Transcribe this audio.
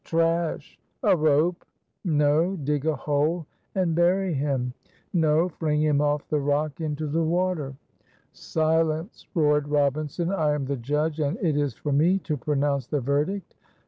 "Trash! a rope no! dig a hole and bury him no! fling him off the rock into the water." "Silence!" roared Robinson, "I am the judge, and it is for me to pronounce the verdict."